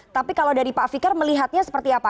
tapi kalau dari pak fikar melihatnya seperti apa